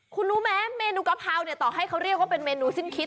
คุณรู้ไหมเมนูกะเพราเนี่ยต่อให้เขาเรียกว่าเป็นเมนูสิ้นคิด